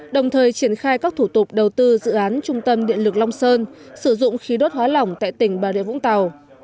đồng thời triển khai các thủ tục đầu tư dự án trung tâm điện lực long sơn sử dụng khí đốt hóa lỏng tại tỉnh bà rịa vũng tàu